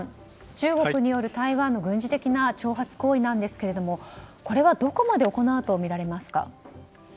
中国による台湾への軍事挑発行為なんですがこれはどこまで行うとみられますか？